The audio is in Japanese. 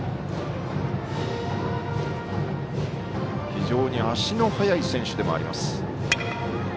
非常に足の速い選手でもあります。